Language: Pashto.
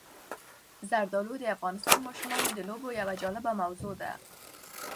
زردالو د افغان ماشومانو د لوبو یوه جالبه موضوع ده.